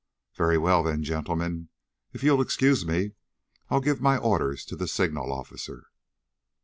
Very well, then, gentlemen. If you'll excuse me I'll give my orders to the signal officer."